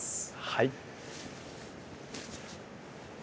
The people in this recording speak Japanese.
はい。